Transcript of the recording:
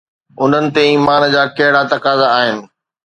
انهن تي ايمان جا ڪهڙا تقاضا آهن؟